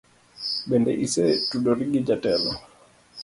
Bende isetudori gi jatelo?